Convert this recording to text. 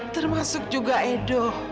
termasuk juga edo